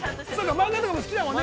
◆漫画とかも好きだもんね。